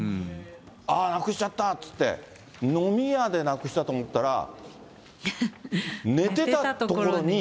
あー、なくしちゃったって言って、飲み屋でなくしたと思ったら、寝てた所に。